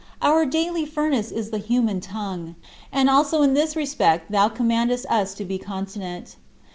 Our daily "furnace" is the human tongue. And also in this respect thou commandest us to be continent.